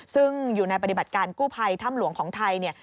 ซึ่งอยู่ในปฏิบัติการกู้ภัยถ้ำหลวงของไทยเนี่ย